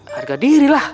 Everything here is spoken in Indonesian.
harga diri lah